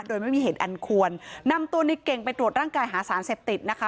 โดยไม่มีเหตุอันควรนำตัวในเก่งไปตรวจร่างกายหาสารเสพติดนะคะ